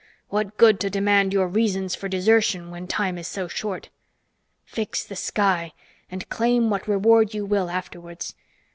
What good to demand your reasons for desertion when time is so short? Fix the sky and claim what reward you will afterwards.